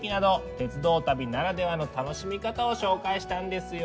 鉄道旅ならではの楽しみ方を紹介したんですよ。